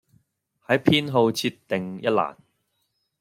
喺偏好設定一欄